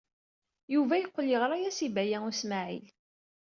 Yuba yeqqel yeɣra-as i Baya U Smaɛil.